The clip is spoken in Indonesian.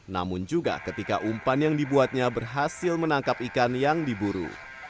namun juga ketika umpan yang dibuatnya berhasil menangkap ikan yang diburu